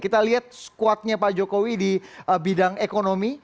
kita lihat squadnya pak jokowi di bidang ekonomi